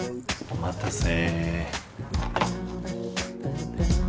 お待たせ。